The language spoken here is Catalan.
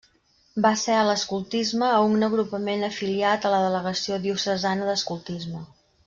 Va ser a l'escoltisme a un agrupament afiliat a la Delegació Diocesana d'Escoltisme.